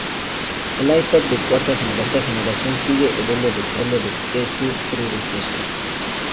El iPad de cuarta generación sigue el mismo modelo de precios que su predecesor.